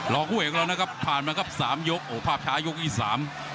รองครูเอกรสแล้วน่ะครับผ่านมาครับ๓ยกโอ้ภาพช้ายกอีก๓